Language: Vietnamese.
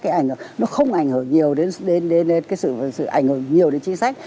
cái ảnh này nó không ảnh hưởng nhiều đến cái sự ảnh hưởng nhiều đến chính sách